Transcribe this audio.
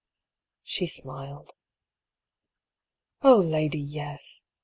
" She smiled. " O, lady, yes